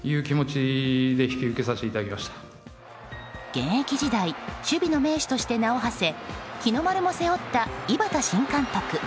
現役時代守備の名手として名を馳せ日の丸も背負った井端新監督。